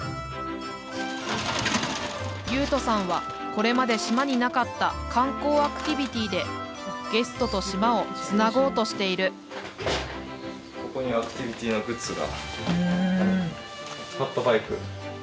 雄斗さんはこれまで島になかった観光アクティビティーでゲストと島をつなごうとしているここにアクティビティーなグッズが。